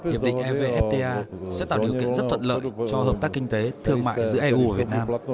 hiệp định evfta sẽ tạo điều kiện rất thuận lợi cho hợp tác kinh tế thương mại giữa eu và việt nam